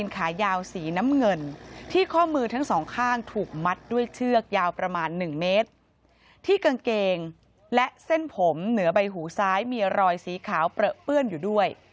ใข้กางเกงและเส้นผมเหนือใบหูซ้ายมีรอยสีขาวเปลื้อนอยู่ด้วย